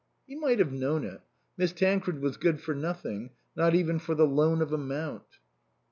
He might have known it. Miss Tancred was good for nothing, not even for the loan of a mount.